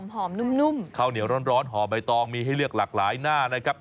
หอมนุ่มข้าวเหนียวร้อนห่อใบตองมีให้เลือกหลากหลายหน้านะครับ